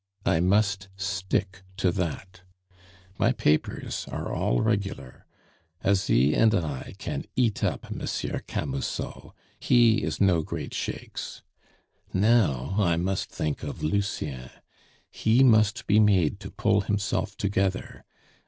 I must stick to that. My papers are all regular. Asie and I can eat up Monsieur Camusot; he is no great shakes! "Now I must think of Lucien; he must be made to pull himself together.